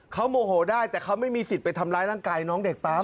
เขาโมโหได้แต่เขาไม่มีสิทธิ์ไปทำร้ายร่างกายน้องเด็กปั๊ม